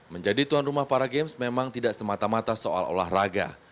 menjadi tuan rumah para games memang tidak semata mata soal olahraga